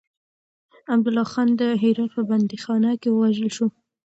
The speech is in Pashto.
عبدالله خان د هرات په بنديخانه کې ووژل شو.